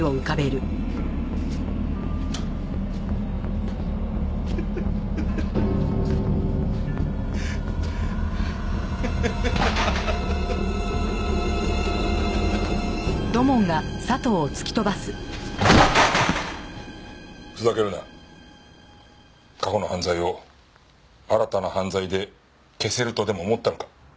過去の犯罪を新たな犯罪で消せるとでも思ったのか。